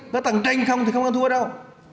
có tầng tranh không thì không có thua đâu